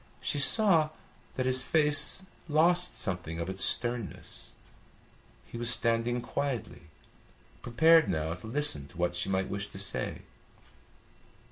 She saw that his face lost something of its sternness. He was standing quietly, prepared now to listen to what she might wish to say.